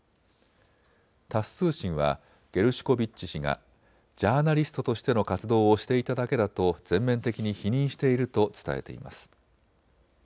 タス通信はゲルシュコビッチ氏がジャーナリストとしての活動をしていただけだと全面的に否認していると伝えています。